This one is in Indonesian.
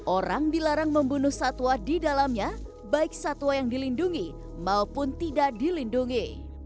orang dilarang membunuh satwa di dalamnya baik satwa yang dilindungi maupun tidak dilindungi